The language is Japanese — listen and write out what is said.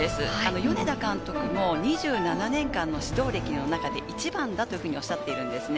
米田監督も２７年間の指導歴の中で一番だと言っているんですね。